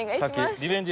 リベンジ。